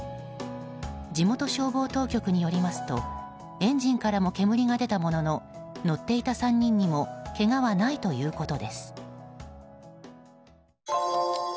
地元消防当局によりますとエンジンからも煙が出たものの乗っていた３人にもけがはないということです。